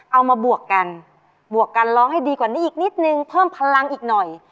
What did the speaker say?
มาบวกกันบวกกันร้องให้ดีกว่านี้อีกนิดนึงเพิ่มพลังอีกหน่อย